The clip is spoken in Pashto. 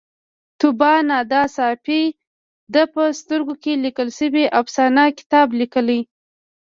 طوبا ندا ساپۍ د په سترګو کې لیکل شوې افسانه کتاب لیکلی